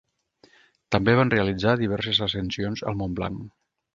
També van realitzar diverses ascensions al Mont Blanc.